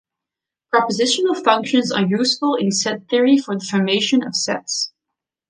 Propositional functions are useful in set theory for the formation of sets.